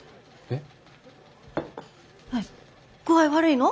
えっ。